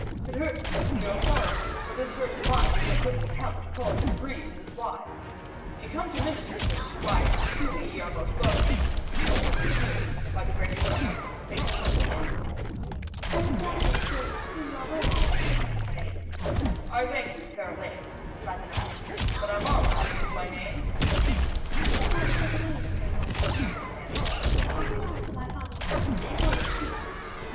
It hurts me to see your sorrow, for this hurt of mine is of little account to cause you to grieve in this wise. If ye come to minister to me, why, ye are truly welcome, and ye shall quickly heal me, by the grace of God, and make me whole again.' 'I would gladly serve you till you are well again,' said the maid. 'I thank you, fair Elaine,' replied the knight, 'but I marvel how ye knew my name?' 'It was by Sir Gawaine, fair lord,' said the damsel, 'for he lodged at my father's house and saw your shield.'